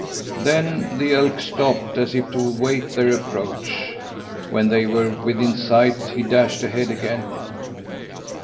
Then the elk stopped, as if to await their approach. When they were within sight he dashed ahead again.